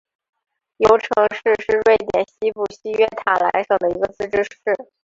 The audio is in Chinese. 尤城市是瑞典西部西约塔兰省的一个自治市。